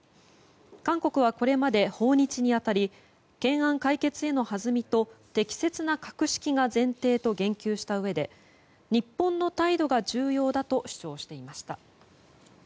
韓国は、これまで訪日に当たり懸案解決へのはずみと適切な格式が前提と言及したうえで日本の態度が重要だと主張していました。